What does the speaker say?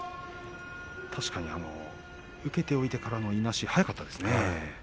受けておいてからのいなし速かったですね。